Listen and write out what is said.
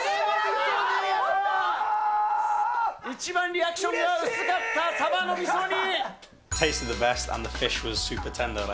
一番リアクションが薄かったさばのみそ煮。